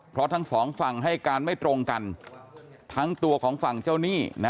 เพราะทั้งสองฝั่งให้การไม่ตรงกันทั้งตัวของฝั่งเจ้าหนี้นะ